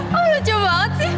kok lucu banget sih